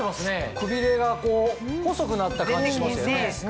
くびれが細くなった感じしますよね。